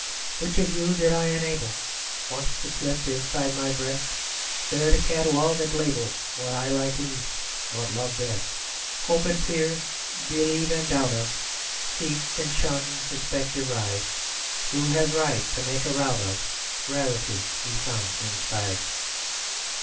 Which of you did I enable Once to slip inside my breast, There to catalogue and label What I like least, what love best, Hope and fear, believe and doubt of, Seek and shun, respect, deride, Who has right to make a rout of Rarities he found inside?"